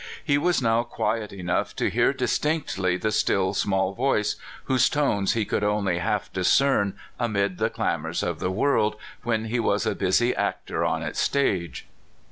He was no.w quiet enough to hear distinctly the Still Small Voice whose tones he could only half discern amid the clamors of the world when he was a busy actor on its stage.